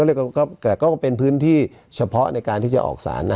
ก็เรียกว่าก็แต่ก็เป็นพื้นที่เฉพาะในการที่จะออกสารน่ะ